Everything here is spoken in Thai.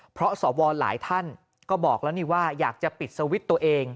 เพราะสวหลายท่านก็บอกแล้วนี่ว่าอยากจะปิดสวิตช์ตัวเอง